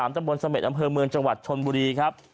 ตำบลเสม็ดอำเภอเมืองจังหวัดชนบุรีครับ